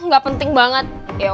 gak penting banget